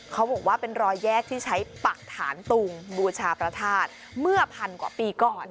เขาบอกว่าเป็นรอยแยกที่ใช้ปักฐานตุงบูชาพระธาตุเมื่อพันกว่าปีก่อน